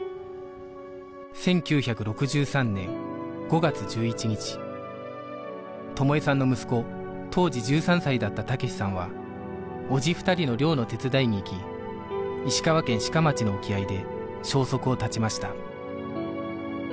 １９６３年５月１１日友枝さんの息子当時１３歳だった武志さんは叔父２人の漁の手伝いに行き石川県志賀町の沖合で消息を絶ちました